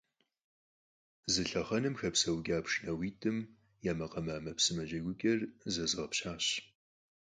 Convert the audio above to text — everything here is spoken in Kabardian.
Зы лъэхъэнэм хэпсэукӀа пшынауитӀым я макъамэ Ӏэмэпсымэ джэгукӀэр зэзгъэпщащ.